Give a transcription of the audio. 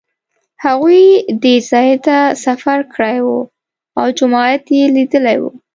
هغوی دې ځای ته سفر کړی و او جومات یې لیدلی و.